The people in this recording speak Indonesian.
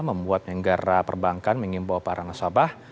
membuat negara perbankan mengimbau para nasabah